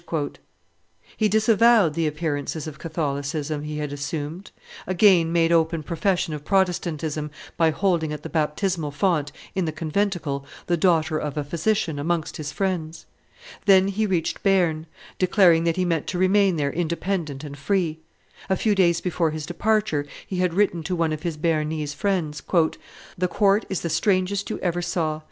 He disavowed the appearances of Catholicism he had assumed, again made open profession of Protestantism by holding at the baptismal font, in the conventicle, the daughter of a physician amongst his friends. Then he reached Bearn, declaring that he meant to remain there independent and free. A few days before his departure he had written to one of his Bearnese friends, "The court is the strangest you ever saw.